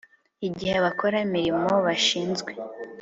igihe bakora imirimo bashinzwe